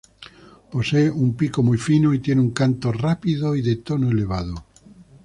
Posee un pico muy fino y tiene un canto rápido y de tono elevado.